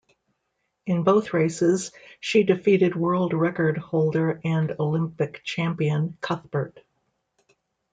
In both races, she defeated world-record holder and Olympic champion Cuthbert.